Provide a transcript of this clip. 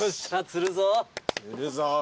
釣るぞ。